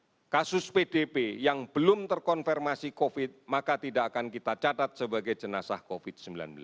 kalau kasus pdp yang belum terkonfirmasi covid maka tidak akan kita catat sebagai jenazah covid sembilan belas